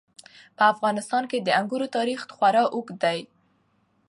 په افغانستان کې د انګورو تاریخ خورا اوږد دی.